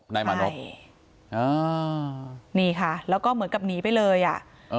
ใช่นี่คะแล้วก็เหมือนกับนีไว้เลยอ่ะ